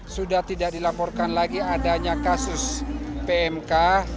sudah tidak dilaporkan lagi adanya kasus pmk